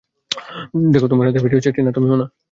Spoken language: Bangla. দেখ তোমার হাতে ফিট হয়েছে, - টিনা, তুমিও না।